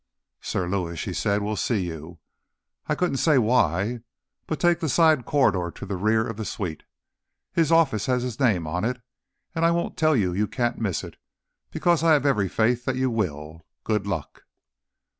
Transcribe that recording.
"Sir Lewis," she said, "will see you. I couldn't say why. But take the side corridor to the rear of the suite. His office has his name on it, and I won't tell you you can't miss it because I have every faith that you will. Good luck."